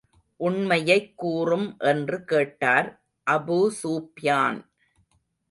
உண்மையைக் கூறும் என்று கேட்டார் அபூஸூப்யான்.